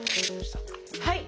はい！